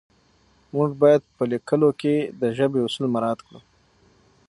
موږ باید په لیکلو کې د ژبې اصول مراعت کړو